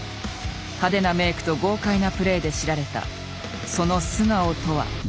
派手なメークと豪快なプレーで知られたその素顔とは？